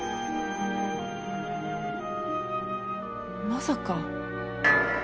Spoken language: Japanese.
まさか。